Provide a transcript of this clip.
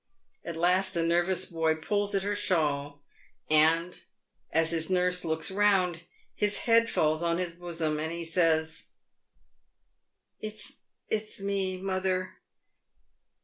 At last the nervous boy pulls at her shawl, and, as his nurse looks round, his head falls on his bosom, and he says, " It's me, mother."